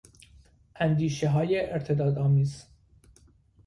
اندیشههای ارتدادآمیز